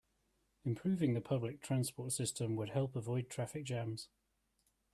Improving the public transport system would help avoid traffic jams.